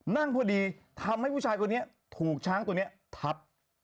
นั่นพอดีทำให้ผู้ชายคนนี้ถูกช้างตัวนี้ทับ